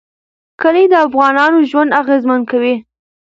کلي د افغانانو ژوند اغېزمن کوي.